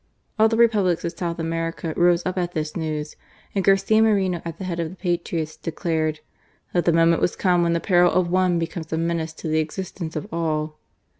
All the Republics of South America rose up at this news ; and Garcia Moreno at the head of the patriots, declared "that the moment was come when the peril of one became a menace to the existence of all."